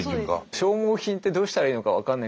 消耗品ってどうしたらいいのか分かんない。